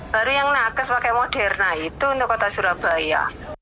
baru yang nakes pakai moderna itu untuk kota surabaya